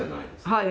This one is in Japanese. はい。